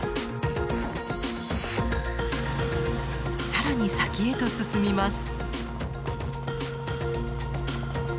更に先へと進みます。